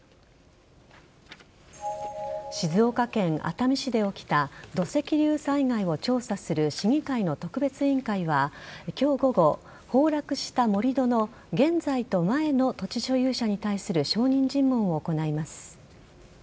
静岡県熱海市で起きた土石流災害を調査する市議会の特別委員会は今日午後崩落した盛り土の現在と前の土地所有者に対する証人尋問を行います。